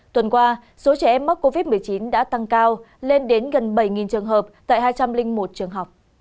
tuần qua số trẻ em mắc covid một mươi chín đã tăng cao lên đến gần bảy trường hợp tại hai trăm linh một trường học